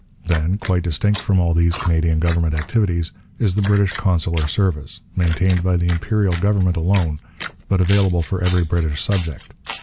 Then, quite distinct from all these Canadian government activities, is the British consular service, maintained by the Imperial government alone, but available for every British subject.